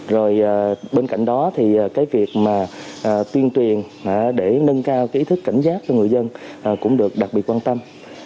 rồi bên cạnh đó thì cái việc mà tuyên truyền để nâng cao ý thức cảnh giác cho người dân cũng được đặc biệt quan tâm